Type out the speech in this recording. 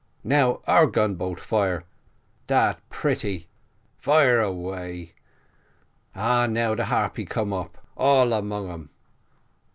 Now our gun boat fire dat pretty fire away. Ah, now de Harpy cum up. All 'mung 'em.